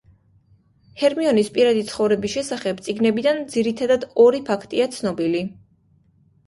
ჰერმიონის პირადი ცხოვრების შესახებ წიგნებიდან ძირითადად, ორი ფაქტია ცნობილი.